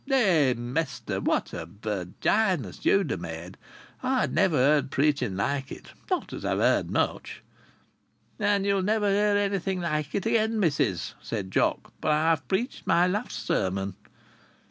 Eh, mester, what a Virginius you'd ha' made! I never heard preaching like it not as I've heard much!" "And you'll never hear anything like it again, missis," said Jock, "for I've preached my last sermon."